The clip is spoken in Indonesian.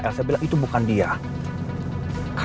elsa bilang itu bukan dia